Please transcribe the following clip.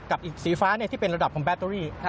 กับอีกสีฟ้าที่เป็นระดับของแบตเตอรี่